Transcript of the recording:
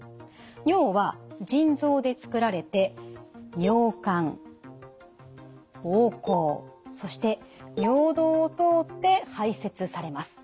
尿は腎臓で作られて尿管膀胱そして尿道を通って排泄されます。